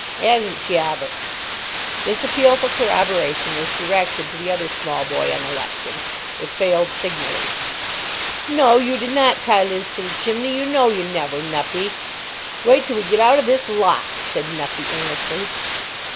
'Asn't she, Albert?" This appeal for corroboration was directed to the other small boy on the Lechton. It failed signally. "No, you did not tie Liz to the chimney. You know you never, Nuppie." "Wait till we get out of this lock!" said Nuppie, earnestly.